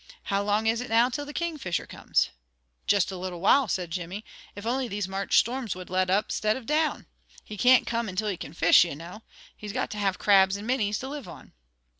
How long is it now till the Kingfisher comes?" "Just a little while," said Jimmy. "If only these March storms would let up 'stid of down! He can't come until he can fish, you know. He's got to have crabs and minnies to live on."